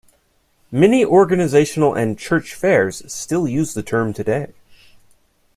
Many organizational and church fairs still use the term today.